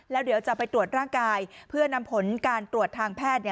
แล้วเดี๋ยวจะไปตรวจร่างกายเพื่อนำผลการตรวจทางแพทย์